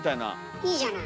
いいじゃない。